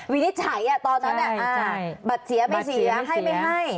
วินิจฉัยตอนนั้นบัตรเสียไม่เสียให้ไม่ให้